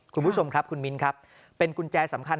คุณผู้ชมครับคุณมิ้นครับเป็นกุญแจสำคัญ